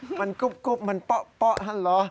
ห้าหรือมันกุปกุปมันโป๊ะฮันนาร์รัส